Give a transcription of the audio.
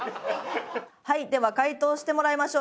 はいでは解答してもらいましょう。